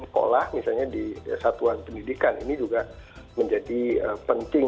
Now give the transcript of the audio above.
sekolah misalnya di satuan pendidikan ini juga menjadi penting